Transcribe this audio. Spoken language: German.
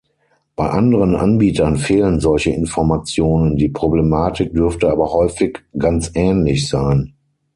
Bei anderen Anbietern fehlen solche Informationen, die Problematik dürfte aber häufig ganz ähnlich sein.